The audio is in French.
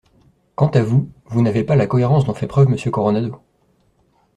Quant à vous, vous n’avez pas la cohérence dont fait preuve Monsieur Coronado.